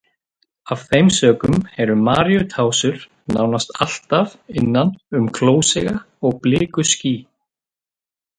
Af þeim sökum eru maríutásur nánast alltaf innan um klósiga og blikuský.